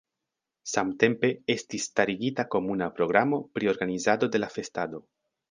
Samtempe estis starigita komuna programo pri organizado de la festado.